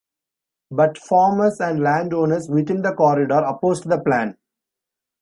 But farmers and landowners within the corridor opposed the plan.